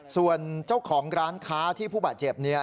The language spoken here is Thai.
ส่วนเจ้าของร้านค้าที่ผู้บาดเจ็บ